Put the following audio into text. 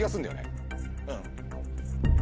うん。